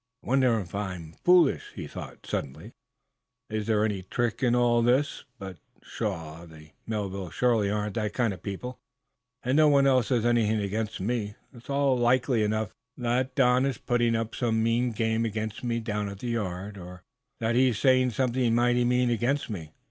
"I wonder if I'm foolish?" he thought, suddenly. "Is there any trick in all this? But, pshaw! The Melvilles surely aren't that kind of people, and no one else has anything against me. It's all likely enough that Don is putting up some mean game against me down at the yard, or that he's saying something mighty mean against me.